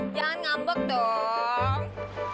jangan ngambek dong